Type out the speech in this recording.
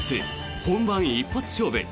本番一発勝負！